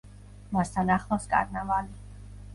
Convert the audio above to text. მას თან ახლავს კარნავალი.